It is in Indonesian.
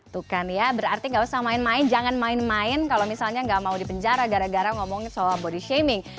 tuh kan ya berarti enggak usah main main jangan main main kalau misalnya enggak mau di penjara gara gara ngomong soal body shaming